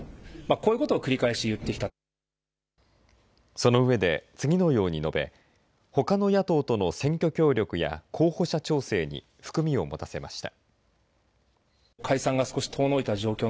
その上で次のように述べほかの野党との選挙協力や候補者調整に含みを持たせました。